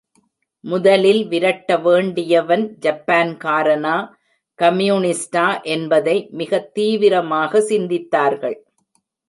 முதலில் விரட்ட வேண்டியவன் ஜப்பான்காரனா, கம்யூனிஸ்டா என்பதை மிகத் தீவிரமாக சிந்தித்தார்கள்.